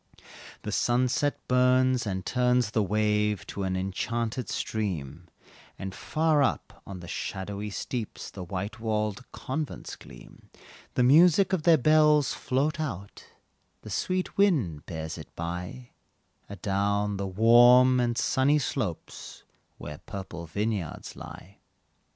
The sunset burns, and turns the wave To an enchanted stream, And far up on the shadowy steeps The white walled convents gleam, The music of their bells float out The sweet wind bears it by, Adown the warm and sunny slopes, Where purple vineyards lie.